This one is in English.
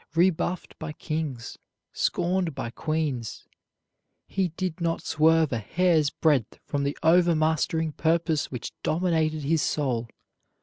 Rebuffed by kings, scorned by queens, he did not swerve a hair's breadth from the overmastering purpose which dominated his soul.